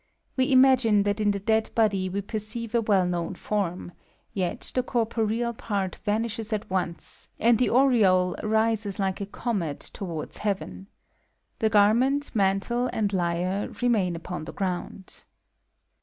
We imagine that in the dead body we perceive a well known form; yet the corporeal part vanishes at once, ^md the aureole rises like a eomet towards heaven. The ^etrmenty mamHe, mid lyre remain upon the ffround.